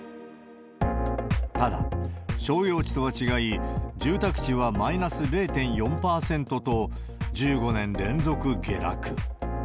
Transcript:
ただ、商業地とは違い、住宅地はマイナス０．４％と、１５年連続下落。